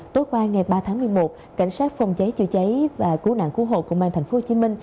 tối qua ngày ba tháng một mươi một cảnh sát phòng cháy chữa cháy và cứu nạn cứu hộ công an tp hcm